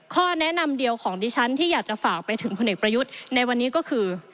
ข้อแนะนำเดียวของดิฉันที่อยากจะฝากไปถึงพลเอกประยุทธ์ในวันนี้ก็คือ